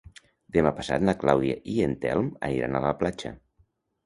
Demà passat na Clàudia i en Telm aniran a la platja.